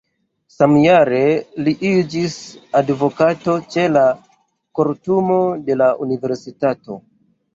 Samjare li iĝis advokato ĉe la kortumo de la universitato.